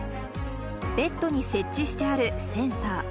ベッドに設置してあるセンサー。